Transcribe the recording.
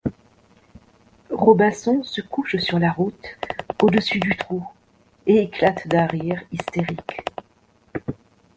Robinson se couche sur la route au-dessus du trou et éclate d'un rire hystérique.